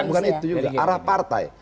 bukan itu juga arah partai